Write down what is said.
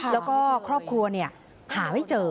แล้วก็ครอบครัวหาไม่เจอ